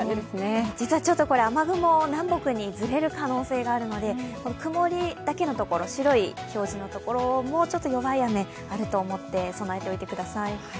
実はちょっと雨雲、南北にずれる可能性があるので曇りだけのところ、白い表示のところも、ちょっと弱い雨、あると思って備えておいてください。